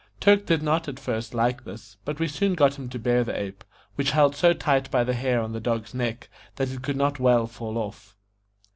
Turk did not at first like this, but we soon got him to bear the ape, which held so tight by the hair on the dog's neck that it could not well fall off.